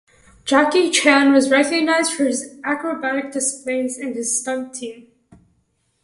Jackie Chan was recognised for his acrobatic displays and his stunt team.